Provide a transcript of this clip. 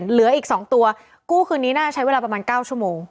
เหลืออีก๒ตัวกู้คืนนี้น่าใช้เวลาประมาณ๙ชั่วโมง